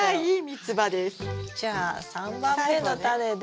じゃあ３番目のタネで。